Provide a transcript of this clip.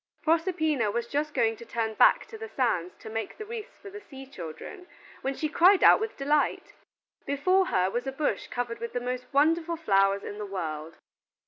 Proserpina was just going to turn back to the sands to make the wreaths for the sea children, when she cried out with delight. Before her was a bush covered with the most wonderful flowers in the world.